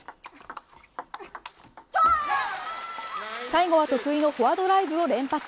最後は得意のフォアドライブを連発。